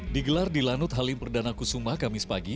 digelar di lanut halim perdana kusuma kamis pagi